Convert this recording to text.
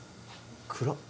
暗っ。